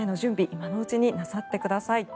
今のうちになさってください。